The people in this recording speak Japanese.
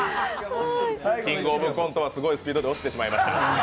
「キングオブコント」はすごいスピードで落ちてしまいました。